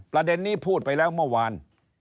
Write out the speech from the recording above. ประเด็นนี้พูดไปแล้วเมื่อวาน